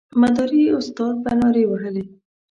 مداري استاد به نارې وهلې.